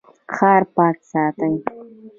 ښار پاک ساتئ